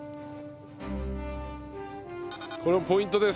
これもポイントです。